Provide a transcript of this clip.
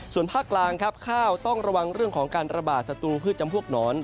ส่วนภาคกลางครับข้าวต้องระวังเรื่องของการระบาดสตรูพืชจำพวกหนอน